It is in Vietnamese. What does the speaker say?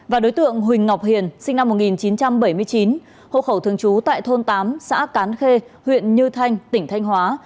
và đối tượng huỳnh ngọc hiền sinh năm một nghìn chín trăm bảy mươi chín hộ khẩu thường trú tại thôn tám xã cán khê huyện như thanh tỉnh thanh hóa